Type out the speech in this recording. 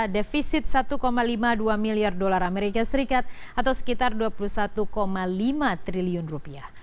defisit satu lima puluh dua miliar dolar amerika serikat atau sekitar dua puluh satu lima triliun rupiah